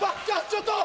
ちょっと！